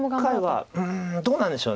うんどうなんでしょう。